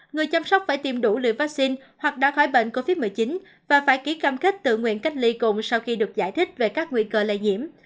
người chăm sóc phải tiêm đủ liều vaccine hoặc đã khỏi bệnh covid một mươi chín và phải ký cam kết tự nguyện cách ly cùng sau khi được giải thích về các nguy cơ lây nhiễm